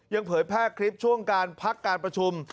เผยแพร่คลิปช่วงการพักการประชุม